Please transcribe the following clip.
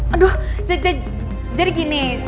aduh jadi gini